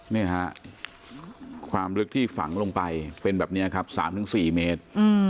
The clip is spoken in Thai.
นี่ฮะความลึกที่ฝังลงไปเป็นแบบนี้ครับ๓๔เมตร